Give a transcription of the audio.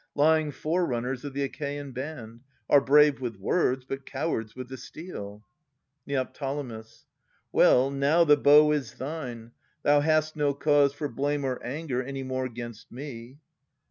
Lying forerunners of the Achaean band, Are brave with words, but cowards with the steel. Neo. Well, now the bow is thine. Thou hast no cause For blame or anger any more 'gainst me.